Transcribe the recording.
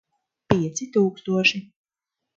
Pieci tūkstoši.